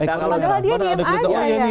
padahal dia diem aja ya